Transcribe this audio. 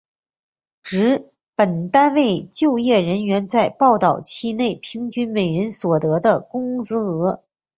指本单位就业人员在报告期内平均每人所得的工资额。